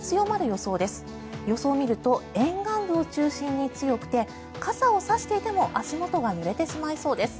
予想を見ると沿岸部を中心に強くて傘を差していても足元がぬれてしまいそうです。